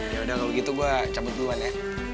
ya udah kalau gitu gue cabut duluan ya